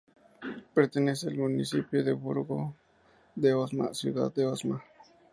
Pertenece al municipio de Burgo de Osma-Ciudad de Osma.